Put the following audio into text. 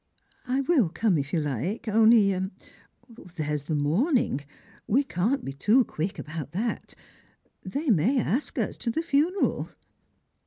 " I will come if you like, only — there's the mourning ; we oan't be too quick about that. They may ask us to the funeral."